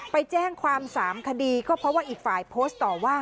ไปแจ้งความ๓คดีก็เพราะว่าอีกฝ่ายโพสต์ต่อว่า